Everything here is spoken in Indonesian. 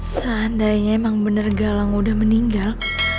seandainya emang bener galang udah meninggal